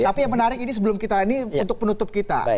tapi yang menarik ini sebelum kita ini untuk penutup kita